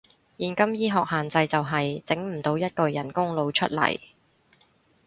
現今醫學限制就係，整唔到一個人工腦出嚟